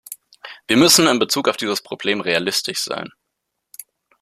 Wir müssen in Bezug auf dieses Problem realistisch sein.